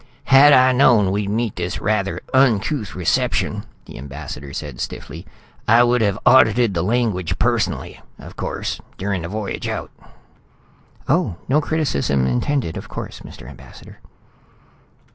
"Had I known we'd meet this rather uncouth reception," the ambassador said stiffly, "I would have audited the language personally, of course, during the voyage out." "Oh, no criticism intended, of course, Mr. Ambassador."